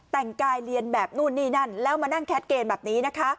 แต่งกายเรียนแบบนู่นนี่นั่นแล้วมานั่งแคทเกณฑ์แบบนี้นะคะ